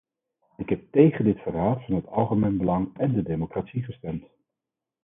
Ik heb tegen dit verraad van het algemene belang en de democratie gestemd.